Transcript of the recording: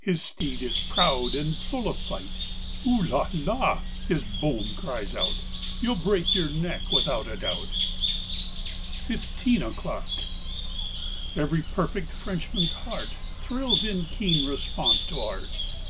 His steed is proud and full of fight. ''Oo la la!" His bonne cries out— "You'll break your neck without a doubt!" 33 . I A FOURTEEN O'CLOCK 35 FIFTEEN O'CLOCK E very perfect Frenchman's heart Thrills in keen response to Art.